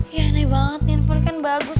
ya aneh banget handphone kan bagus